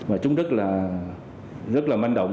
mà chúng rất là manh động